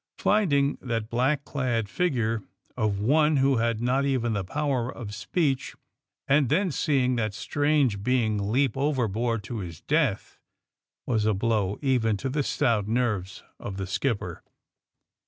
Finding that black clad figure of one who had not even the power of speech, and then seeing that strange being leap overboard to his death, was a blow even to the stout nerves of the skip per.